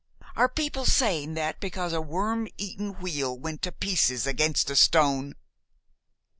Are people saying that because a worm eaten wheel went to pieces against a stone?"